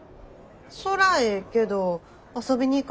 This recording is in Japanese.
そらええけど遊びに行かんでええの？